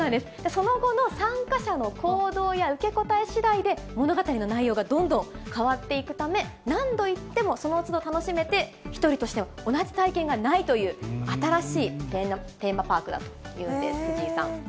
その後の参加者の行動や、受け答えしだいで、物語の内容がどんどん変わっていくため、何度行ってもそのつど楽しめて、１人として同じ体験がないという新しいテーマパークだというんです、藤井さん。